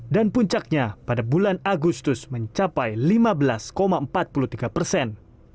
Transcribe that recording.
dan puncaknya pada bulan agustus mencapai lima belas empat puluh tiga persen